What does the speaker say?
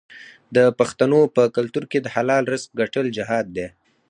د پښتنو په کلتور کې د حلال رزق ګټل جهاد دی.